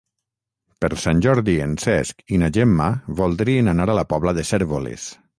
Per Sant Jordi en Cesc i na Gemma voldrien anar a la Pobla de Cérvoles.